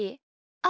あ。